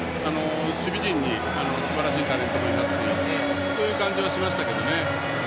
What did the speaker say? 守備陣にすばらしいタレントもいますしそういう感じはしましたけどね。